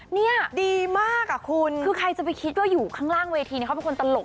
เนี่ยคือใครจะไปคิดว่าอยู่ข้างล่างเวทีเขาเป็นคนตลก